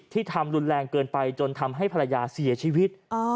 ทำรุนแรงเกินไปจนทำให้ภรรยาเสียชีวิต